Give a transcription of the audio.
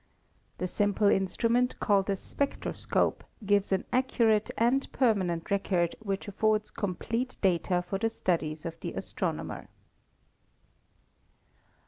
The simple instrument called a spectroscope gives an accurate and permanent record which affords complete data for the studies of the astronomer.